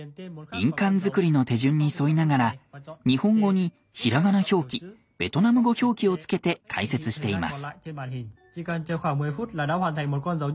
印鑑作りの手順に沿いながら日本語に平仮名表記ベトナム語表記をつけて解説しています。